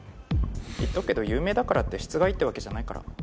言っとくけど有名だからって質がいいってわけじゃないから。